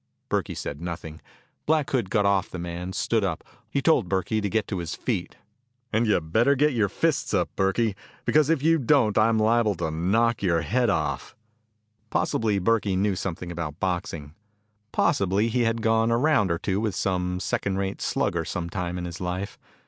Burkey said nothing. Black Hood got off the man, stood up. He told Burkey to get to his feet. "And you'd better get your fists up, Burkey, because if you don't I'm liable to knock your head off." Possibly Burkey knew something about boxing. Possibly he had gone a round or two with some second rate slugger some time in his life.